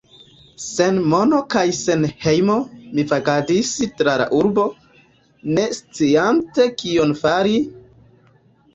Sen mono kaj sen hejmo mi vagadis tra la urbo, ne sciante kion fari...